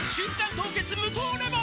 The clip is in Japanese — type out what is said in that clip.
凍結無糖レモン」